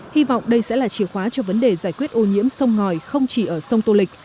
hy vọng đây sẽ là chìa khóa cho vấn đề giải quyết ô nhiễm sông ngòi không chỉ ở sông tô lịch